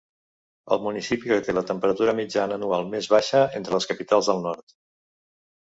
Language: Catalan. El municipi que té la temperatura mitjana anual més baixa entre les capitals del Nord.